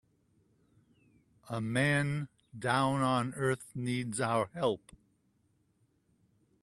A man down on earth needs our help.